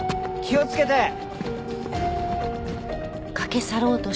気をつけて！